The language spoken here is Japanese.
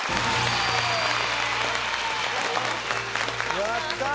やったー！